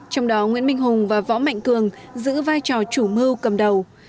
trong đó nguyễn minh hùng và võ mạnh cường giữ vai trò chủ mưu cầm đầu